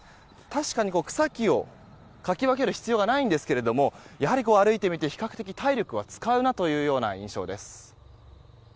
確かに、草木をかき分ける必要はないんですがやはり歩いてみて比較的、体力は使う印象です。